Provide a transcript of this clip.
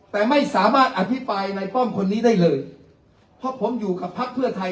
แต่ไม่สามารถอภิปรายในป้อมคนนี้ได้เลยเพราะผมอยู่กับพักเพื่อไทย